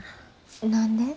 何で？